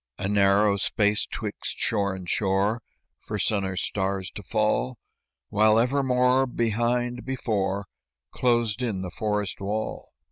A narrow space 'twixt shore and shore, For sun or stars to fall, While evermore, behind, before, Closed in the forest wall.